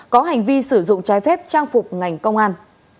có hành vi sử dụng trái phép trang phục ngành công an